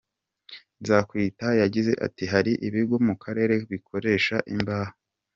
Nzamwita yagize ati "Hari ibigo mu karere bikoresha imbaho.